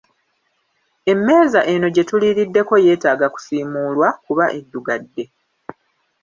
Emmeeza eno gye tuliiriddeko yetaaga kusiimuulwa kuba eddugadde.